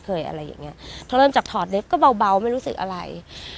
เท่าเริ่มจากถอดเล็บก็เบาไม่รู้สึกอะไร